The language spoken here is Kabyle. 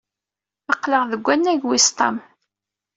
Aql-aɣ deg wannag wis ṭam.